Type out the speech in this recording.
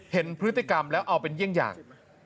เห็นพฤติกรรมแล้วเอาเป็นเยี่ยงอย่าง